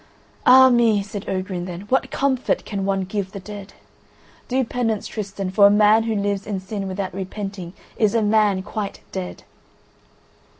"Ah me," said Ogrin then, "what comfort can one give the dead? Do penance, Tristan, for a man who lives in sin without repenting is a man quite dead."